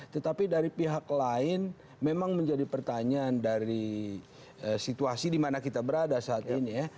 tetapi dari pihak lain memang menjadi pertanyaan dari situasi di mana kita berada saat ini ya